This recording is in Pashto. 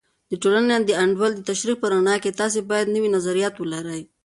د ټولنې د انډول د تشریح په رڼا کې، تاسې باید نوي نظریات ولرئ.